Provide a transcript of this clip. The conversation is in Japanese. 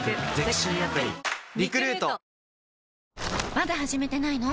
まだ始めてないの？